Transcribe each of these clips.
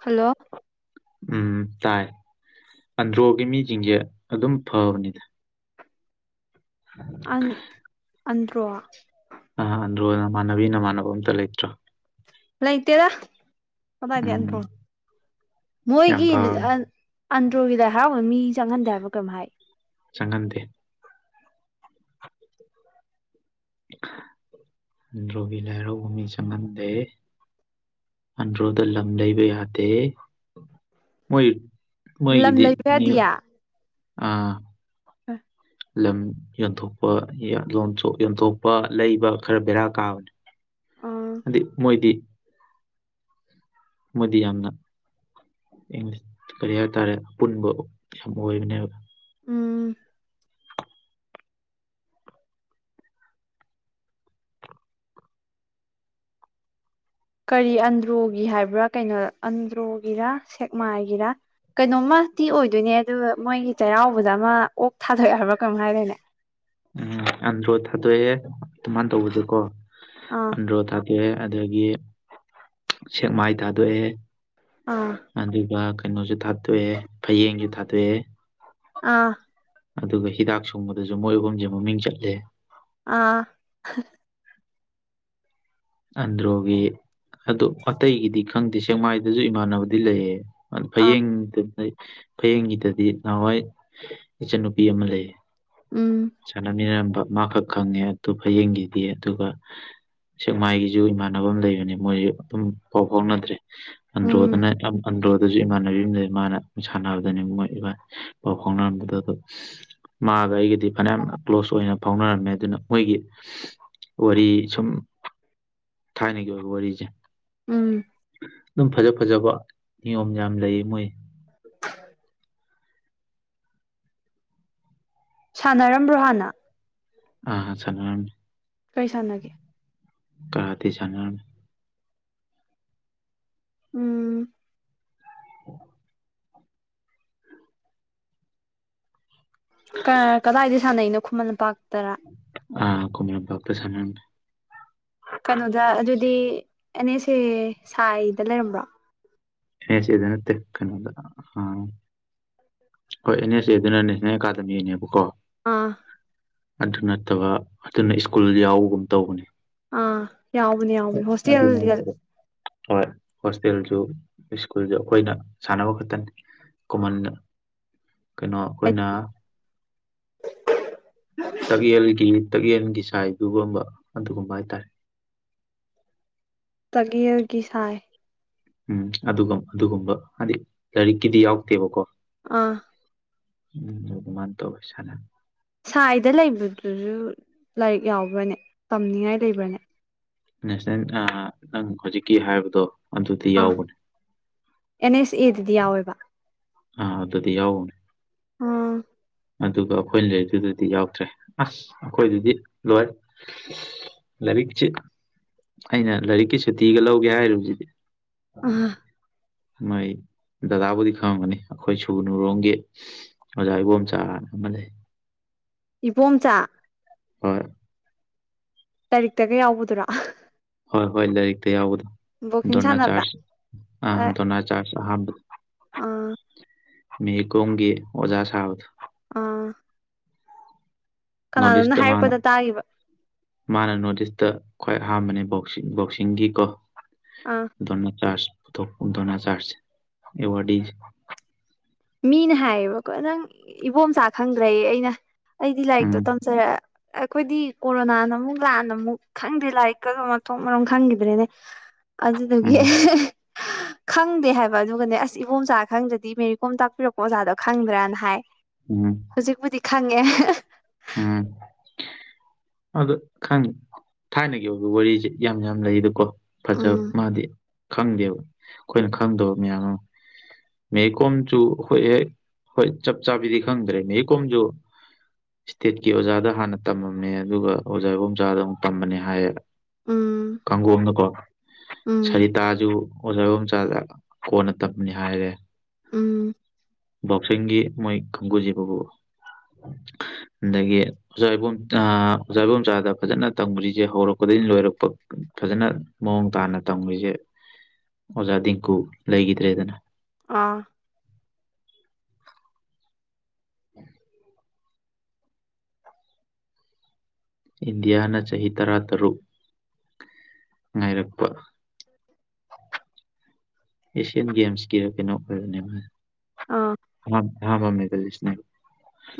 hello ꯎꯝ ꯇꯥꯏ ꯑꯟꯗ꯭ꯔꯣꯒꯤ ꯃꯤꯁꯤꯡꯁꯦ ꯑꯗꯨꯝ ꯐꯕꯅꯤꯗ ꯑꯟ ꯑꯟꯗ꯭ꯔꯣ ꯑꯟꯣ ꯅꯃꯅꯕꯤ ꯅꯃꯥꯟꯅꯅꯕ ꯑꯝꯇ ꯂꯩꯇ꯭ꯔꯣ ꯍꯂ ꯎꯝ ꯂꯩꯇꯦꯔꯒꯦꯟꯣ ꯌꯥꯝ ꯃꯣꯏꯒꯤ ꯐꯕꯅꯤ ꯑꯟꯗ꯭ꯔꯣꯒꯤꯗ ꯍꯔꯥꯎꯕ ꯃꯤ ꯆꯪꯍꯟꯗꯦ ꯍꯥꯏꯕ ꯀꯩꯝ ꯍꯥꯏ ꯆꯪꯍꯟꯗꯦ ꯔꯣꯕꯤ ꯂꯔꯣꯚꯨꯃꯤ ꯆꯃꯗꯦ ꯑꯟ꯭ꯔꯣꯗ ꯂꯝ ꯂꯩꯕ ꯌꯥꯗꯦ ꯃꯣꯏ ꯂꯝ ꯃꯣꯏꯒꯤꯗꯤ ꯂꯩꯕ ꯑꯥ ꯎꯝ ꯂꯝ ꯌꯣꯟꯊꯣꯛꯄ ꯌꯣꯟꯊꯣꯛꯄ ꯂꯩꯕ ꯈꯔ ꯕꯦꯔꯥ ꯀꯥꯕꯅꯤ ꯍꯥꯏꯗꯤ ꯃꯣꯏꯗꯤ ꯃꯗꯤ ꯌꯥꯝꯅ ꯁ ꯀꯔꯤ ꯍꯥꯏꯇꯥꯥꯔꯦ ꯑꯄꯨꯟꯕ ꯌꯥꯝ ꯑꯣꯏꯕꯅꯦꯕ ꯎꯝ ꯀꯔꯤ ꯑꯟꯗ꯭ꯔꯣꯒꯤ ꯍꯥꯏꯕ꯭ꯔꯥ ꯀꯩꯅꯣ ꯑꯟꯗ꯭ꯔꯣꯒꯤꯔ ꯁꯦꯛꯃꯥꯏꯒꯤꯔꯥ ꯀꯩꯅꯣꯝꯃ ꯇꯤ ꯑꯣꯏꯗꯣꯏꯅꯦ ꯑꯗꯨ ꯃꯣꯏꯒꯤ ꯆꯩꯔꯥꯎꯕꯗ ꯑꯃ ꯑꯣꯛ ꯊꯥꯗꯣꯛꯑꯕ꯭ꯔꯥ ꯀꯃꯝ ꯍꯥꯏꯗꯣꯏꯅꯦ ꯎꯝ ꯑꯟꯗ꯭ꯔꯣ ꯊꯥꯗꯣꯛꯑꯦ ꯑꯗꯨꯃꯥꯏꯅ ꯇꯧꯕꯁꯀꯣ ꯑꯥ ꯑꯟꯗ꯭ꯔꯣ ꯊꯥꯗꯣꯛꯑꯦ ꯑꯗꯒꯤ ꯁꯦꯛꯃꯥꯏ ꯊꯥꯗꯣꯛꯑꯦ ꯑꯥ ꯑꯗꯨꯒ ꯀꯩꯅꯣꯁꯨ ꯊꯥꯗꯣꯛꯑꯦ ꯐꯌꯦꯡꯁꯨ ꯊꯥꯗꯣꯛꯑꯦ ꯑꯥ ꯑꯗꯨꯒ ꯍꯤꯗꯥꯛ ꯁꯨꯡꯕꯗꯁꯨ ꯃꯣꯏ ꯑꯨꯝꯁꯦ ꯃꯃꯤꯡ ꯆꯠꯂꯦ ꯑꯥ ꯑꯟꯗ꯭ꯔꯣꯒꯤ ꯑꯗꯨ ꯑꯇꯩꯒꯤꯗꯤ ꯈꯪꯗꯦ ꯁꯦꯡꯃꯥꯏꯗꯁꯨ ꯏꯃꯥꯟꯅꯕꯗꯤ ꯂꯩꯌꯦ ꯑꯥ ꯐꯌꯦꯡꯗ ꯐꯌꯦꯡꯒꯤꯗꯗꯤ ꯅꯍꯥꯟꯋꯥꯏ ꯏꯆꯟꯟꯅꯨꯄꯤ ꯑꯃ ꯂꯩꯌꯦ ꯎꯝ ꯁꯥꯟꯅꯃꯤꯟꯅꯔꯝꯕ ꯃꯥꯈꯛ ꯈꯪꯉꯦ ꯑꯗꯨ ꯐꯌꯦꯡꯒꯤꯗꯤ ꯑꯗꯨꯒ ꯁꯦꯛꯃꯥꯏꯒꯤꯁꯨ ꯏꯃꯥꯟꯅꯅꯕ ꯑꯃ ꯂꯩꯕꯅꯤ ꯃꯣꯏꯁꯨ ꯑꯗꯨꯝ ꯄꯥꯎ ꯐꯥꯎꯅꯗ꯭ꯔꯦ ꯎꯝ ꯑꯟꯣꯗꯅꯟ ꯑꯗꯨꯁꯨ ꯏꯃꯥꯟꯅꯕꯤ ꯑꯃꯗ ꯃꯥꯅ ꯁꯥꯟꯅꯕꯗꯅꯤ ꯃꯣꯏ ꯏꯕꯥ ꯄꯥꯎ ꯐꯥꯎꯅꯔꯝꯕꯗꯣ ꯑꯗ ꯃꯥꯒ ꯑꯩ ꯐꯅꯌꯥꯝꯅ ꯀ꯭ꯂꯣꯁ ꯑꯣꯏꯅ ꯐꯥꯎꯅꯔꯝꯃꯦ ꯑꯗꯨꯅ ꯃꯣꯏꯒꯤ ꯋꯥꯔꯤ ꯁꯨꯝ ꯊꯥꯏ ꯅ ꯀ ꯋꯥꯔꯤ ꯋꯥꯔꯤꯖꯦ ꯎꯝ ꯑꯗꯨꯝ ꯐꯖ ꯐꯖꯕ ꯅꯤꯌꯣꯝ ꯌꯥꯝ ꯂꯩ ꯃꯣꯏ [unintelligible] ꯁꯥꯟꯅꯔꯝꯕ꯭ꯔꯣ ꯍꯥꯟꯅ ꯑ ꯆꯅꯤ ꯀꯩꯁꯥꯟꯅꯒꯦ ꯀꯥꯗꯤ ꯆꯉꯅ ꯎꯝ [unintelligible] ꯀꯗꯥꯏꯗ ꯁꯥꯟꯅꯅꯣ ꯈꯨꯃꯟꯄꯥꯛꯇꯔꯥ ꯑ ꯀꯣꯃꯔ ꯄꯥꯛꯇ ꯁꯝ ꯀꯩꯅꯣꯗ ꯑꯗꯨꯗꯤ ꯑꯦꯅꯦꯁꯦ ꯁꯥꯏꯗ ꯂꯩꯔꯝꯕ꯭ꯔꯣ ꯑꯦꯁꯤꯗꯅ ꯇꯀꯅꯗ ꯑ ꯍꯣꯏ ꯑꯦꯟ ꯑꯦꯁ ꯑꯦ ꯑꯗꯨꯅ ꯅꯦꯁꯅꯦꯜ ꯑꯦꯀꯥꯗꯃꯤꯅꯦꯕꯀꯣ ꯑꯥ ꯑꯗꯨ ꯅꯠꯇꯕ ꯑꯗꯨꯅ ꯁ꯭ꯀꯨꯜ ꯌꯥꯎꯕꯒꯨꯝ ꯇꯧꯕꯅꯤ ꯑꯥ ꯌꯥꯎꯅꯦ ꯌꯥꯎꯅꯦ ꯑꯗꯨ ꯍꯣꯁꯇꯦꯜꯦꯜꯒ ꯍꯣꯏ ꯍꯣꯁꯇꯦꯜꯁꯨ ꯁ꯭ꯀꯨꯜꯗ ꯑꯩꯈꯣꯏꯅ ꯁꯥꯟꯅꯕ ꯈꯛꯇꯅꯤ ꯀꯣꯃꯟ ꯀꯩꯅꯣ ꯑꯩꯈꯣꯏꯅ ꯇꯌꯦꯜꯒꯤ ꯇꯒꯜꯒꯤ ꯁꯥꯏꯗꯨꯒꯨꯝꯕ ꯑꯗꯨꯒꯨꯝꯕ ꯍꯥꯏꯇꯥꯔꯦ [unintelligible] [inaudible] ꯇꯒꯔꯒꯤ ꯁꯥꯏ ꯎꯝ ꯑꯗꯨꯒ ꯑꯗꯨꯒꯨꯝꯕ ꯍꯥꯏꯗꯤ ꯂꯥꯏꯔꯤꯛꯀꯤꯗꯤ ꯌꯥꯎꯗꯦꯕꯀꯣ ꯑꯥ ꯎꯝꯃꯥꯟꯗ ꯁꯅ ꯁꯥꯏꯗ ꯂꯩꯕꯗꯨꯁꯨ ꯂꯥꯏꯔꯤꯛ ꯌꯥꯎꯕ꯭ꯔꯅꯦ ꯇꯝꯅꯤꯡꯉꯥꯏ ꯂꯩꯕ꯭ꯔꯅꯦ ꯅꯦꯁꯅꯦ ꯅꯪ ꯍꯧꯖꯤꯛꯀꯤ ꯍꯥꯏꯕꯗꯣ ꯑꯗꯨꯗꯤ ꯑꯥ ꯌꯥꯎꯕꯅꯦ ꯑꯦꯟ ꯑꯦꯁ ꯑꯦꯗꯗꯤ ꯌꯥꯎꯋꯦꯕ ꯑꯥ ꯑꯗꯨꯗꯤ ꯌꯥꯎꯅꯦ ꯎꯝ ꯑꯗꯨꯒ ꯑꯩꯈꯣꯏꯅ ꯂꯩꯔꯤꯗꯨꯗꯗꯤ ꯌꯥꯎꯗ꯭ꯔꯦ ꯑꯁ ꯑꯩꯈꯣꯏꯗꯨꯗꯤ ꯂꯣꯏ ꯂꯥꯏꯔꯤꯛꯁꯤ ꯑꯩꯅ ꯂꯥꯏꯔꯤꯛꯀꯤ ꯁꯨꯇꯤꯒ ꯂꯧꯒꯦ ꯍꯥꯏꯔꯤꯕꯁꯤꯗꯤ ꯑꯥ ꯃꯥꯏ ꯗꯗꯥꯕꯨꯗꯤ ꯈꯪꯒꯅꯤ ꯑꯩꯈꯣꯏ ꯁꯨꯕꯅꯨꯔꯣꯡꯝꯒꯤ ꯑꯣꯖꯥ ꯏꯕꯣꯝ ꯇ ꯑꯃ ꯂꯩ ꯏꯄꯣꯝꯆꯥ ꯍꯣꯏ ꯂꯔꯤꯛꯇꯒ ꯌꯥꯎꯕꯗꯨꯔ ꯍꯣꯏ ꯍꯣꯏ ꯂꯥꯏꯔꯤꯛꯇ ꯌꯥꯎꯕꯗ ꯕꯣꯛꯁꯤꯡ ꯗꯅꯥ ꯁꯥꯟꯅꯕ꯭ꯔꯥ ꯆꯥꯔ ꯑ ꯗꯣꯅꯥ ꯆꯥ ꯑ [unintelligible] [inaudible] ꯑꯥ ꯃꯤ ꯀꯣꯡꯒꯤ ꯑꯣꯖꯥ ꯁꯥꯥꯎ ꯑꯥ ꯀꯅꯥꯅꯣꯝꯅ ꯅꯣꯔꯠꯁꯇ ꯃꯥꯅ ꯍꯥꯏꯔꯛꯄꯗ ꯇꯥꯈꯤꯕ ꯃꯥꯅ ꯅꯣꯔꯠꯁ ꯈ꯭ꯋꯥꯏ ꯑꯍꯥꯟꯕꯅꯦ ꯕꯣꯛ ꯕꯣꯛꯁꯤꯡꯒꯤꯀꯣ ꯑꯥ ꯗꯣꯅ ꯆꯥꯔꯖ ꯞꯄꯗꯅ ꯆꯥꯁ ꯑꯦ ꯋꯥꯔ ꯃꯤꯅ ꯍꯥꯏꯌꯦꯕꯀꯣ ꯅꯪ ꯏꯕꯣꯝꯆꯥ ꯈꯪꯗ꯭ꯔꯦ ꯑꯩꯅ ꯑꯩꯗꯤ ꯂꯥꯏꯔꯤꯛꯇꯣ ꯎꯝ ꯇꯝꯖꯔꯛꯑꯦ ꯑꯩꯈꯣꯏꯗꯤ ꯀꯣꯔꯣꯅꯥꯅ ꯑꯃꯨꯛ ꯂꯥꯟꯅ ꯑꯃꯨꯛ ꯈꯪꯗꯦ ꯂꯥꯏꯔꯤꯛꯀꯁꯨ ꯃꯊꯣꯛ ꯃꯔꯣꯝ ꯈꯪꯈꯤꯕ꯭ꯔꯦꯅꯦ ꯑꯗꯨꯗꯨꯒꯤ ꯎꯝ ꯈꯪꯗꯦ ꯍꯥꯏꯕ ꯑꯗꯨꯒꯅꯦ ꯑꯁ ꯏꯕꯣꯝꯆꯥ ꯈꯪꯗ꯭ꯔꯗꯤ ꯃꯦ ꯀꯣꯝ ꯇꯥꯛꯄꯤꯔꯛꯄ ꯑꯣꯖꯥꯗꯣ ꯈꯪꯗ꯭ꯔꯥꯅ ꯍꯥꯏ ꯎꯝ ꯍꯧꯖꯤꯛꯄꯨꯗꯤ ꯈꯪꯉꯦ ꯑꯗ ꯈꯪꯉꯤ ꯊꯥꯏꯅꯒꯤ ꯑꯣꯏꯕ ꯋꯥꯔꯤꯁꯦ ꯌꯥꯝ ꯌꯥꯝ ꯂꯩꯗꯀꯣ ꯐꯖꯕ ꯎꯝ ꯃꯥꯗꯤ ꯈꯪꯗꯦꯕ ꯑꯩꯈꯣꯏꯅ ꯈꯪꯗꯕ ꯃꯌꯥꯝ ꯑꯃ ꯃꯦ ꯀꯣꯝꯁꯨ ꯍꯣꯏ ꯍꯦꯛ ꯍꯣꯏ ꯆꯞ ꯆꯥꯕꯤꯗꯤ ꯈꯪꯗ꯭ꯔꯦ ꯃꯦ ꯀꯣꯝꯁꯨ ꯏꯁꯇꯦꯠꯀꯤ ꯑꯣꯖꯥꯗ ꯍꯥꯟꯅ ꯇꯝꯃꯝꯃꯦ ꯑꯗꯨꯒ ꯑꯣꯖꯥ ꯏꯕꯣꯆꯥꯥꯗ ꯑꯃꯨꯛ ꯇꯝꯕꯅꯦ ꯍꯥꯏꯌꯦ ꯎꯝ ꯀꯥꯡꯪꯒꯣꯝꯅꯀꯣ ꯎꯝ ꯁꯔꯤꯇꯥꯖꯨ ꯑꯣꯖꯥꯒꯣꯆꯥꯗ ꯀꯣꯟꯅ ꯇꯝꯕꯅꯤ ꯍꯥꯏꯔꯦ ꯎꯝ ꯕꯣꯛꯁꯤꯡꯒꯤ ꯃꯣꯏ ꯀꯪꯒꯨꯖꯤꯕꯕꯨ ꯑꯗꯒꯤ ꯑꯣꯖꯥ ꯏꯕꯣꯝ ꯑꯣꯖꯥ ꯏꯕꯣꯝꯆꯥꯗ ꯐꯖꯅ ꯇꯝꯔꯤꯁꯦ ꯍꯧꯔꯛꯄꯗꯒꯤ ꯂꯣꯏꯔꯛꯄ ꯐꯖꯅ ꯃꯑꯣꯡ ꯇꯥꯅ ꯇꯝꯃꯤꯣꯏꯁꯦ ꯑꯣꯖꯥ ꯇꯗꯤꯡꯀꯨ ꯂꯩꯈꯤꯗ꯭ꯔꯦꯗꯅ ꯑꯥ ꯎꯝ [unintelligible] [inaudible] ꯏꯟꯗꯤꯌꯥꯅ ꯆꯍꯤ ꯇꯔꯥꯇꯔꯨꯛ ꯉꯥꯏꯔꯛꯄ ꯎ [unintelligible] [inaudible] ꯑꯦꯁꯤꯌꯥꯟ ꯒꯦꯦꯝꯁ ꯀꯔꯣ ꯀꯩꯅꯣꯈꯔꯅꯦ ꯍꯥꯏꯥꯏ ꯑꯥ ꯍꯥ ꯍꯥ ꯍ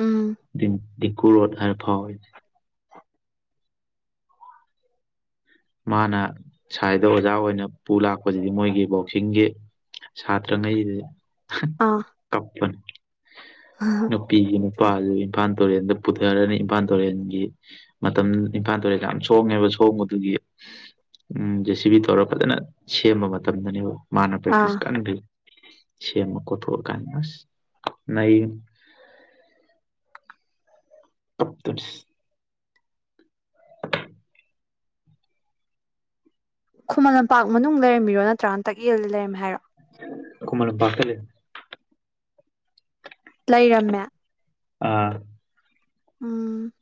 ꯎꯝ [inaudible] ꯐꯔ ꯐꯥꯎ ꯃꯥꯅ ꯁꯥꯏꯗ ꯑꯣꯖꯥ ꯑꯣꯏꯅ ꯄꯨ ꯂꯥꯛꯄꯁꯤꯗꯤ ꯃꯣꯏꯒꯤ ꯕꯣꯛꯁꯤꯡꯒꯤ ꯁꯥꯇ꯭ꯔꯉꯩꯁ ꯑꯥ ꯀꯞꯄꯅꯤ ꯅꯨꯄꯤꯒꯤ ꯅꯨꯄꯥꯁꯨ ꯏꯝꯐꯥꯜ ꯇꯨꯔꯦꯟꯗ ꯄꯨꯊꯔꯅꯤ ꯏꯝꯐꯥꯜ ꯇꯨꯔꯦꯟꯒꯤ ꯃꯇꯝ ꯏꯝꯐꯥꯜ ꯇꯨꯔꯦꯜ ꯀ ꯌꯥꯝ ꯁꯣꯡꯉꯦꯕ ꯁꯣꯡꯕꯗꯨꯒꯤ ꯎꯝ ꯖꯦ ꯁꯤ ꯕꯤ ꯇꯧꯔ ꯐꯖꯅ ꯁꯦꯝꯕ ꯃꯇꯝꯗꯅꯦꯕ ꯃꯥꯅ ꯑꯥ ꯄ꯭ꯔꯦꯛꯇꯤꯁ ꯀꯈ ꯁꯤ ꯑꯃꯛ ꯀꯊ ꯀꯥꯟꯃꯥꯁ ꯅ ꯑꯩ ꯀꯞꯇꯁ ꯈꯨꯃꯟ ꯂꯝꯄꯥꯛ ꯃꯅꯨꯡ ꯂꯩꯔꯝꯃꯤꯔꯣ ꯅꯠꯇ꯭ꯔꯥꯅꯟ ꯇꯛꯌꯦꯜꯗ ꯂꯩꯔꯝꯃꯦ ꯍꯥꯏꯔꯣ ꯀꯃꯅ ꯄꯇꯗꯦ ꯂꯩꯔꯝꯃꯦ ꯑꯥ ꯎꯝ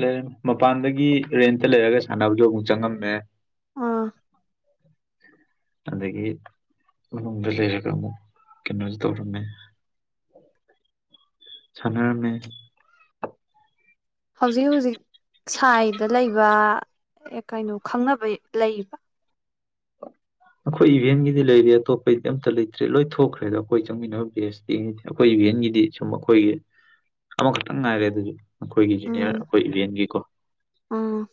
ꯂꯩ ꯃꯄꯥꯟꯗꯒꯤ ꯔꯦꯟꯇ ꯂꯩꯔꯒ ꯁꯥꯟꯅꯕꯁꯨ ꯑꯃꯨꯛ ꯆꯪꯉꯝꯃꯦ ꯑꯥ ꯑꯗꯒꯤ ꯃꯗ ꯂꯩꯔ ꯀꯩꯅꯣ ꯇꯧꯔꯃꯦ ꯁꯅꯔꯃꯦ ꯍꯧꯖꯤꯛ ꯍꯧꯖꯤꯛ ꯁꯥꯏꯗ ꯂꯩꯕ ꯀꯩꯅꯣ ꯈꯪꯅꯕ ꯂꯩꯌꯦꯕ ꯑꯩꯈꯣꯏ ꯏꯚꯦꯟꯒꯤꯗꯤ ꯂꯩꯔꯤꯦ ꯑꯇꯣꯞꯄꯒꯤꯗꯤ ꯑꯝꯇ ꯂꯩꯇ꯭ꯔꯦ ꯂꯣꯏ ꯊꯣꯛꯈ꯭ꯔꯦ ꯑꯗꯣ ꯑꯩꯈꯣꯏ ꯆꯪꯃꯤꯟꯅꯕ ꯗꯦꯁꯉ ꯑꯩꯈꯣꯏ ꯒꯤꯗꯤ ꯁꯨꯝ ꯑꯩꯣꯏꯒꯤ ꯑꯃꯈꯛꯇꯪ ꯉꯥꯏꯔꯦ ꯑꯗꯨꯁꯨ ꯑꯩꯈꯣꯏꯒꯤ ꯖꯅꯤꯌꯥꯔ ꯎꯝ ꯑꯩꯈꯣꯏ ꯏꯂꯤꯟꯒꯤꯀꯣ ꯎꯝ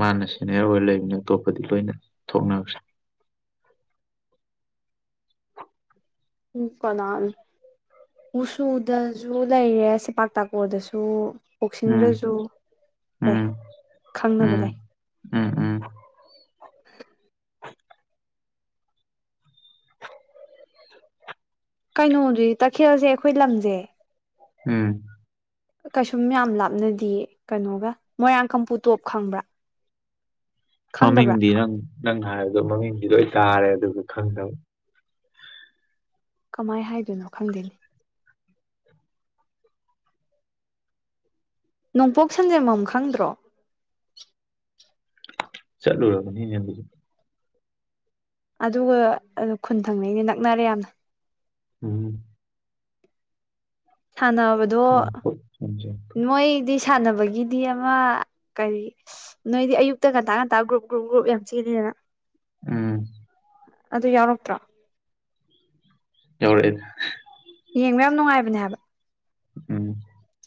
ꯃꯥꯅ ꯁꯦꯅꯤꯌꯔ ꯑꯣꯏꯔ ꯂꯩꯕꯅꯤ ꯑꯇꯣꯞꯄꯗꯤ ꯂꯣꯏꯅ ꯊꯣꯛꯅꯔꯁꯦ ꯀꯅꯥꯜ ꯃꯨꯁꯨꯗꯁꯨ ꯂꯩꯔꯦ ꯁꯦꯄꯥꯛ ꯇꯥꯀꯣꯔꯗꯁꯨ ꯎꯝ ꯀꯣꯛꯁꯤꯡꯗꯁꯨ ꯂꯩ ꯎꯝ ꯈꯪꯅꯕ ꯎꯝ ꯂꯩ ꯎꯝ ꯎꯝ ꯀꯩꯅꯣꯗꯨ ꯇꯈꯦꯜꯁꯦ ꯑꯩꯈꯣꯏ ꯂꯝꯁꯦ ꯎꯝ ꯀꯩꯁꯨꯝ ꯌꯥꯝ ꯂꯥꯞꯅꯗ ꯀꯩꯅꯣꯒ ꯃꯣꯏꯔꯥꯡ ꯀꯥꯡꯝꯄꯨ ꯇꯣꯞ ꯈꯪꯕ꯭ꯔꯥ ꯈꯪꯗꯕ꯭ꯔꯥ ꯃꯃꯤꯡꯗꯤ ꯅꯪꯅ ꯍꯥꯏꯕꯗꯣ ꯃꯃꯤꯡꯗꯤ ꯂꯣꯏ ꯇꯥꯔꯦ ꯑꯗꯨ ꯈꯪꯗꯕ ꯀꯃꯥꯏ ꯍꯥꯏꯗꯣꯏꯅꯣ ꯈꯪꯗꯦꯅꯤ ꯅꯣꯡꯄꯣꯛ ꯁꯟꯖꯦꯝꯃꯝ ꯈꯪꯗ꯭ꯔꯣ ꯆꯂ ꯍ ꯅꯗ ꯑꯗꯨꯒ ꯈꯨꯟ ꯊꯪꯅꯩꯅꯦ ꯅꯛꯅꯔꯦ ꯌꯥꯝꯅ ꯎꯝ ꯁꯥꯟꯅꯕꯗꯣ ꯎꯝ ꯃꯣꯏꯗꯤ ꯁꯥꯟꯅꯕꯒꯤꯗꯤ ꯑꯃ ꯀꯔꯤ ꯅꯣꯏꯗꯤ ꯑꯌꯨꯛꯇ ꯉꯟꯇꯥ ꯉꯟꯇꯥ ꯒ꯭ꯔꯨꯞ ꯒ꯭ꯔꯨꯞ ꯒ꯭ꯔꯨꯞ ꯌꯥꯝ ꯆꯜꯂꯤꯗꯅ ꯎꯝ ꯑꯗꯨ ꯌꯥꯎꯔꯛꯇ꯭ꯔꯥ ꯌꯥꯎꯔꯛ ꯑꯦ ꯌꯦꯡꯕ ꯌꯥꯝ ꯅꯨꯡꯉꯥꯏꯕꯅꯦ ꯍꯥꯏꯕ ꯎꯝ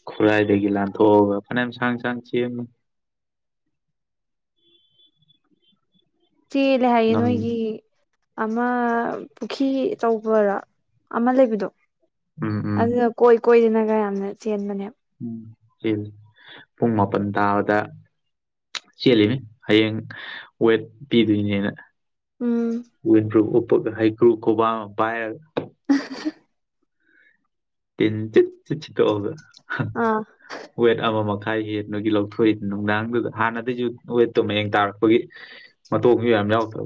ꯈꯨꯔꯥꯏꯗꯒꯤ ꯂꯥꯟꯊꯣꯛꯑꯒ ꯐꯅꯌꯥꯝ ꯁꯥꯡ ꯁꯥꯡ ꯆꯃꯤ ꯆꯦꯜꯂꯦ ꯍꯥꯏꯌꯦ ꯉꯝ ꯅꯣꯏꯒꯤ ꯑꯃ ꯄꯨꯈ꯭ꯔꯤ ꯑꯆꯧꯕꯔ ꯑꯃ ꯂꯩꯕꯗꯣ ꯎꯝ ꯎꯝ ꯑꯗꯨꯅ ꯀꯣꯏ ꯀꯣꯏꯗꯅꯒ ꯌꯥꯝꯅ ꯆꯦꯟꯕꯅꯦ ꯄꯨꯡ ꯃꯥꯄꯟ ꯇꯥꯕꯗ ꯆꯦꯜꯂꯤꯅꯤ ꯍꯌꯦꯡ ꯋꯦꯠ ꯄꯤꯗꯣꯏꯅꯦ ꯑꯅ ꯎꯝ ꯭ꯔ ꯍꯩꯀ꯭ꯔꯨꯣ ꯄ [unintelligible] ꯤꯟꯠ ꯆꯁꯤ ꯑꯥ ꯋꯦꯠ ꯑꯃ ꯃꯊ ꯊ ꯍꯦꯕꯒꯤ ꯂꯧꯊꯣꯛꯏ ꯅꯨꯡꯗꯥꯡꯗꯨꯗ ꯍꯥꯟꯅꯗꯒꯤꯁꯨ ꯋꯦꯠꯇꯣ ꯃꯌꯦꯡ ꯇꯥꯔꯛꯄꯒꯤ ꯃꯇꯣꯡꯁꯨ ꯌꯥꯝ ꯌꯥ ꯇ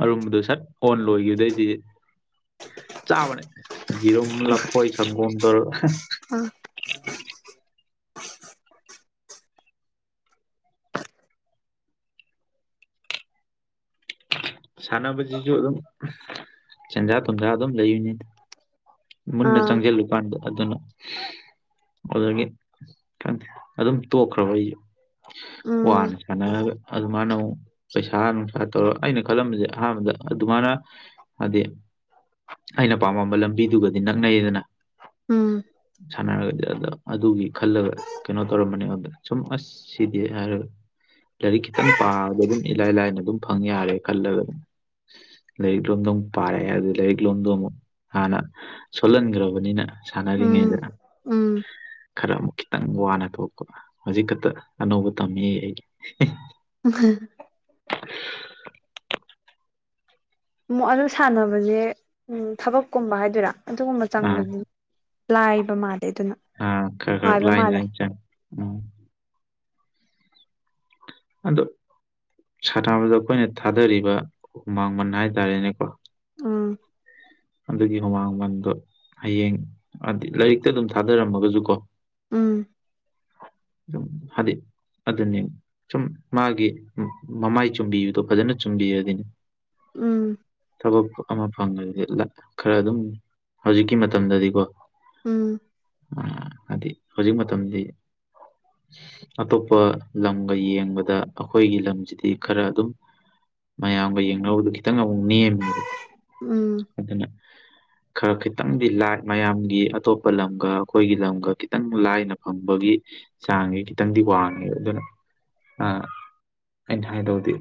ꯑꯔꯨꯝꯕꯗꯨ ꯁꯠ ꯑꯣꯟ ꯂꯣꯏꯈꯤꯕꯗꯩꯗꯤ ꯆꯥꯕꯅꯦ ꯌꯦꯔꯨꯝ ꯂꯐꯣꯏ ꯁꯪꯒꯣꯝ ꯇꯧꯔꯒ ꯎꯝ ꯁꯥꯟꯅꯕꯁꯤꯁꯨ ꯑꯗꯨꯝ ꯁꯦꯟꯖꯥ ꯊꯨꯝꯖꯥ ꯑꯗꯨꯝ ꯂꯩꯔꯤꯅꯤ ꯃꯨꯟꯅ ꯑꯥ ꯆꯪꯁꯤꯜꯂꯨꯀꯥꯟꯗ ꯑꯗꯨꯅ ꯑꯗꯨꯗꯒꯤ ꯈꯪꯗꯦ ꯑꯗꯨꯝ ꯇꯣꯛꯈ꯭ꯔꯕ ꯑꯩꯁꯨ ꯎꯝ ꯋꯥꯅ ꯁꯥꯟꯅꯔꯒ ꯑꯗꯨꯃꯥꯏꯅ ꯑꯃꯨꯛ ꯄꯩꯁꯥ ꯅꯨꯡꯁꯥ ꯇꯧꯔꯒ ꯑꯩꯅ ꯈꯜꯂꯝꯕꯁꯦ ꯑꯍꯥꯟꯕꯗ ꯑꯗꯨꯃꯥꯏꯅ ꯍꯥꯏꯗꯤ ꯑꯩꯅ ꯄꯥꯝꯃꯝꯕ ꯂꯝꯕꯤꯗꯨꯒꯗꯤ ꯅꯛꯅꯩꯗꯅ ꯎꯝ ꯁꯥꯟꯅꯔꯒꯗꯤ ꯑꯗꯣ ꯑꯗꯨꯒꯤ ꯈꯜꯂꯒ ꯀꯩꯅꯣ ꯇꯧꯔꯝꯕꯅꯦ ꯑꯩꯟꯗ ꯁꯨꯝ ꯑꯁ ꯁꯤꯗꯤ ꯍꯥꯏꯔꯒ ꯂꯥꯏꯔꯤꯛ ꯈꯤꯇꯪ ꯄꯥꯔꯒ ꯑꯗꯨꯝ ꯏꯂꯥꯏ ꯂꯥꯏꯅ ꯑꯗꯨꯝ ꯐꯪ ꯌꯥꯔꯦ ꯈꯜꯂꯒ ꯂꯩꯔꯤꯛꯂꯣꯝꯗ ꯑꯃꯨꯛ ꯂꯩꯔꯤꯛꯂꯣꯝꯗ ꯍꯥꯟꯅ ꯁꯣꯜꯍꯟꯈ꯭ꯔꯕꯅꯤꯅ ꯎꯝ ꯁꯥꯟꯅꯔꯤꯉꯩꯗꯅ ꯎꯝ ꯈꯔ ꯑꯃꯨꯛ ꯈꯤꯇꯪ ꯋꯥꯅ ꯊꯣꯛꯄ ꯍꯧꯖꯤꯛ ꯈꯛꯇ ꯑꯅꯧꯕ ꯇꯝꯃꯤ ꯑꯩꯒꯤ ꯍꯝ ꯛ ꯑꯗꯨ ꯁꯥꯟꯅꯕꯁꯦ ꯊꯕꯛꯀꯨꯝꯕ ꯍꯥꯏꯗꯣꯏꯔꯥ ꯑꯗꯨꯒꯨꯝꯕ ꯑꯥ ꯆꯪꯕꯗꯤ ꯂꯥꯏꯕ ꯃꯥ ꯑꯥ ꯈꯔ ꯈꯔ ꯂꯥꯏ ꯂꯥꯏ ꯆꯪ ꯏ ꯑꯗꯣ ꯁꯥꯟꯅꯕꯗ ꯑꯩꯈꯣꯏꯅ ꯊꯥꯗꯔꯤꯕ ꯍꯨꯃꯥꯡꯃꯟ ꯍꯥꯏꯇꯥꯔꯦꯅꯦꯀꯣ ꯑꯥ ꯑꯗꯨꯒꯤ ꯍꯨꯃꯥꯡꯕꯟꯗꯣ ꯍꯌꯦꯡ ꯍꯥꯏꯗꯤ ꯂꯥꯏꯔꯤꯛꯇ ꯑꯗꯨꯝ ꯊꯥꯗꯔꯝꯃꯒꯁꯨ ꯀꯣ ꯑꯥ ꯝ ꯍꯥꯏꯗꯤ ꯑꯗꯨꯅꯦ ꯁꯨꯝ ꯃꯥꯒꯤ ꯃꯃꯥꯏ ꯆꯨꯝꯕꯤꯕꯗꯣ ꯐꯖꯅ ꯆꯨꯝꯕꯤꯔꯗꯤ ꯎꯝ ꯊꯕꯛ ꯑꯃ ꯐꯪꯉꯗꯤ ꯈꯔ ꯑꯗꯨꯝ ꯍꯧꯖꯤꯛꯀꯤ ꯃꯇꯝꯗꯗꯤꯀꯣ ꯎꯝ ꯍꯥꯏꯗꯤ ꯍꯧꯖꯤꯛ ꯃꯇꯝꯁꯤ ꯑꯇꯣꯞꯄ ꯂꯝꯒ ꯌꯦꯡꯕꯗ ꯑꯩꯈꯣꯏꯒꯤ ꯂꯝꯁꯤꯗꯤ ꯈꯔ ꯑꯗꯨꯝ ꯃꯌꯥꯝꯒ ꯌꯦꯡꯅꯕꯗꯨ ꯈꯤꯇꯪ ꯑꯃꯨꯛ ꯅꯦꯝꯃꯤꯕ ꯎꯝ ꯑꯗꯨꯅ ꯈꯔ ꯈꯤꯇꯪꯗꯤ ꯂꯥꯏ ꯃꯌꯥꯝꯒꯤ ꯑꯇꯣꯞꯄ ꯂꯝꯒ ꯑꯩꯈꯣꯏꯒꯤ ꯂꯝꯒ ꯈꯤꯇꯪ ꯂꯥꯏꯅ ꯐꯪꯕꯒꯤ ꯆꯥꯡꯉꯦ ꯈꯤꯇꯪꯗꯤ ꯋꯥꯡꯉꯦ ꯑꯗꯨꯅ ꯑ ꯑꯥꯏ ꯇꯣꯗꯤ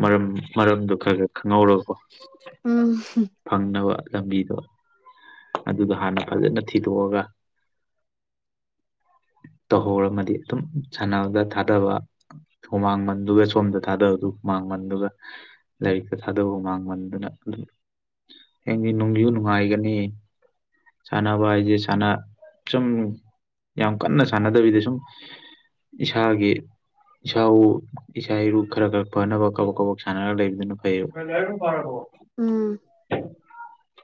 ꯃꯔꯝ ꯃꯔꯝꯗ ꯈꯔ ꯈꯔ ꯈꯪꯍꯧꯒ ꯎꯝ ꯐꯪꯅꯕ ꯂꯝꯕꯤꯗꯣ ꯑꯗꯨꯗꯣ ꯍꯥꯟꯅ ꯐꯖꯅ ꯊꯤꯗꯣꯛꯑꯒ ꯇꯧꯍꯧꯔꯝꯃꯗꯤ ꯑꯗꯨꯝ ꯁꯥꯟꯅꯕꯗ ꯊꯥꯗꯕ ꯍꯨꯃꯥꯡꯃꯟꯗꯨꯒ ꯁꯣꯝꯗ ꯊꯥꯗꯕ ꯑꯗꯨ ꯍꯨꯃꯥꯡꯃꯟꯗꯨꯒ ꯂꯥꯏꯔꯤꯛꯇ ꯊꯥꯗꯧꯕ ꯃꯥꯡꯃꯟꯗꯨꯅ ꯍꯌꯦꯒꯤ ꯅꯨꯡꯒꯤꯨ ꯅꯨꯡꯉꯥꯏꯒꯅꯤ ꯁꯅꯥ ꯏꯖꯦ ꯁꯅꯥ ꯆꯝ ꯌꯥꯝ ꯀꯟꯅ ꯁꯥꯟꯅꯗꯕꯤꯗ ꯁꯨꯝ ꯏꯁꯥꯒꯤ ꯏꯁꯥ ꯏꯁꯥ ꯏꯔꯨ ꯈꯔ ꯈꯔ ꯐꯅꯕ ꯀꯕꯛ ꯀꯕꯛ ꯁꯥꯟꯅꯔꯒ ꯂꯩꯕꯗꯨꯅ ꯐꯩꯌꯦꯕ ꯎꯝ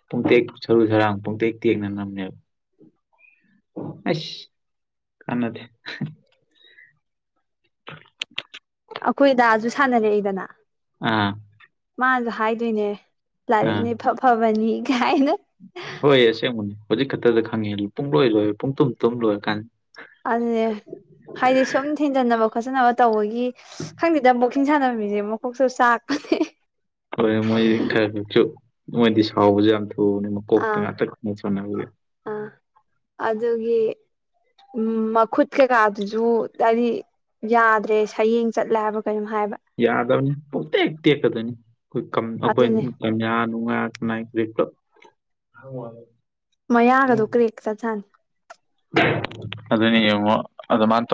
ꯄꯨꯡꯇꯦꯛ ꯁꯔꯨ ꯁꯔꯥꯡ ꯄꯨꯡꯇꯦꯛ ꯇꯦꯡꯅ ꯅꯝꯅꯦꯕ ꯑꯁ ꯀꯗꯦ ꯑꯩꯈꯣꯏ ꯗꯥꯁꯨ ꯁꯥꯟꯅꯔꯛꯏꯗꯅ ꯑꯥ ꯃꯥꯁꯨ ꯍꯥꯏꯗꯣꯏꯅꯦ ꯂꯥꯏꯔꯤꯛꯅꯦ ꯐ ꯐꯕꯅꯤ ꯀꯥꯏꯅ ꯍꯣꯏꯌꯦ ꯁꯦꯝꯃꯨꯅꯦ ꯍꯧꯖꯤꯛ ꯈꯛꯇꯗ ꯈꯪꯉꯤ ꯄꯨꯡ ꯂꯣꯏ ꯂꯣꯏꯦ ꯄꯨꯡ ꯇꯨꯝ ꯇꯨꯝ ꯂꯣꯏꯔꯀꯥꯟꯗ ꯑꯗꯨꯅꯦ ꯍꯥꯏꯗꯤ ꯁꯨꯝ ꯊꯤꯟꯖꯤꯟꯅꯕ ꯈꯣꯠꯆꯟꯅꯕ ꯇꯧꯕꯒꯤ ꯈꯪꯗꯦꯗ ꯑꯃꯨꯛ ꯏꯁꯤꯡ ꯁꯥꯟꯅꯃꯤꯁꯦ ꯃꯈꯀꯣꯛꯁꯨ ꯆꯥꯛꯄꯅꯦ ꯍꯔꯣꯏ ꯃꯣꯏ ꯊ ꯃꯣꯏꯗꯤ ꯁꯥꯥꯎꯕ ꯛ ꯑꯥ ꯍꯄꯤꯉ ꯑ ꯈ ꯆꯅꯤꯕꯦ ꯑꯥ ꯑꯗꯨꯒꯤ ꯎꯝ ꯃꯈꯨꯠ ꯀꯩꯀꯥꯗꯨꯁꯨ ꯍꯥꯏꯗꯤ ꯌꯥꯗ꯭ꯔꯦ ꯁꯌꯦꯡ ꯆꯠꯂꯦ ꯍꯥꯏꯕ ꯀꯩꯅꯣꯝ ꯍꯥꯏꯕ ꯌꯥꯗꯕꯅꯤ ꯄꯇꯦꯛ ꯇꯦꯛꯀꯗꯣꯏꯅꯤ ꯑꯗꯨꯅꯦ ꯑꯩꯈꯣꯏꯌꯥ ꯅꯨꯡꯉꯥꯏ ꯀꯄ ꯍ ꯃꯌꯥꯒꯗꯣ ꯀ꯭ꯔꯔꯤꯛ ꯆ ꯊꯥꯟ ꯑꯗꯨꯅꯤ ꯌꯦꯉꯣ ꯑꯗ ꯃꯥꯇ